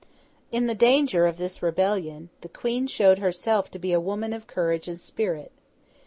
In the danger of this rebellion, the Queen showed herself to be a woman of courage and spirit.